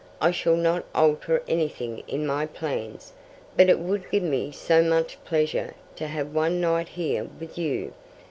I shall not alter anything in my plans. But it would give me so much pleasure to have one night here with you.